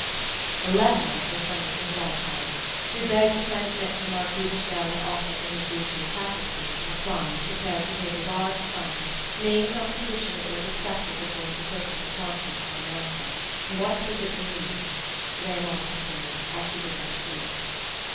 The letter was from Mr. Fleischhauer, who begged to transmit to the Marquis de Chelles an offer for his Boucher tapestries from a client prepared to pay the large sum named on condition that it was accepted before his approaching departure for America. "What does it mean?" Raymond continued, as she did not speak.